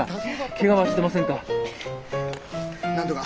ケガはしてませんか？